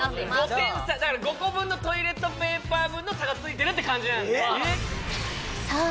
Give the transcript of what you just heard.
５点差だから５個分のトイレットペーパー分の差がついてるって感じなのでさあ